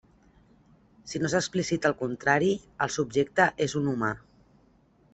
Si no s'explicita el contrari, el subjecte és un humà.